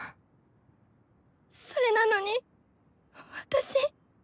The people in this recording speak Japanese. それなのに私。